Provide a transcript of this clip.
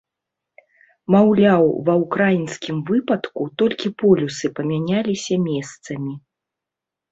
Маўляў, ва ўкраінскім выпадку толькі полюсы памяняліся месцамі.